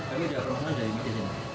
tapi ada permasalahan dari media